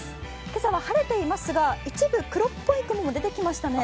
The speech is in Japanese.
今朝は晴れていますが、一部黒っぽい雲も出てきましたね。